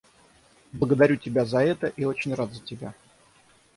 Благодарю тебя за это и очень рад за тебя.